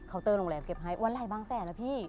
เคาน์เตอร์โรงแรมเก็บให้วันไรบ้างแสนอะพี่